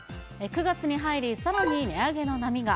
９月に入り、さらに値上げの波が。